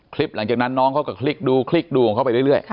หลังจากนั้นน้องเขาก็คลิกดูคลิกดูของเขาไปเรื่อย